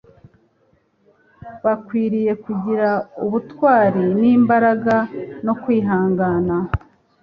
Bakwiriye kugira ubutwari n'imbaraga no kwihangana